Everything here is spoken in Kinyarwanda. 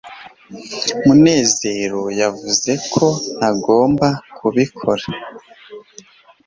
munezero yavuze ko ntagomba kubikora